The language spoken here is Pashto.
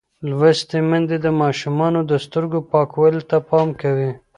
لوستې میندې د ماشومانو د سترګو پاکوالي ته پام کوي.